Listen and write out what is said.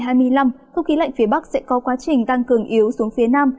không khí lạnh phía bắc sẽ có quá trình tăng cường yếu xuống phía nam